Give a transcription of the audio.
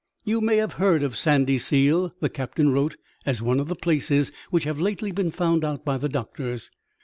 "You may have heard of Sandyseal," the Captain wrote, "as one of the places which have lately been found out by the doctors.